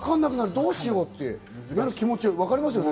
どうしようってなる気持ちわかりますね。